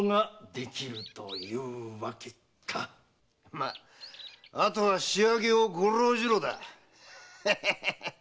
まあとは仕上げをごろうじろだ。